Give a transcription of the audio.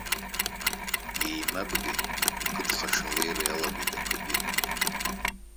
Еимабгааит, икыдхаҽа алеира иалагеит ақәагьы.